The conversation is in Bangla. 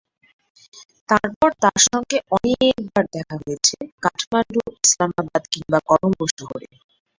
তারপর তাঁর সঙ্গে অনেকবার দেখা হয়েছে, কাঠমান্ডু, ইসলামাবাদ কিংবা কলম্বো শহরে।